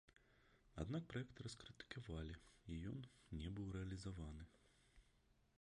Аднак праект раскрытыкавалі, і ён не быў рэалізаваны.